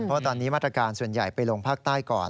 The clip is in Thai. เพราะตอนนี้มาตรการส่วนใหญ่ไปลงภาคใต้ก่อน